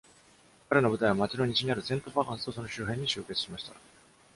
彼の部隊は、町の西にある Saint Fagans とその周辺に集結しました。